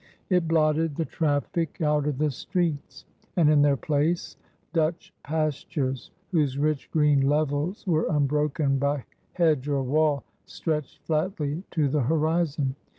It blotted the traffic out of the streets, and in their place Dutch pastures, whose rich green levels were unbroken by hedge or wall, stretched flatly to the horizon.